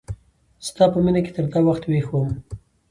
ستا په مینه کی تر دا وخت ویښ یم